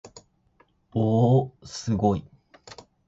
おおおすごい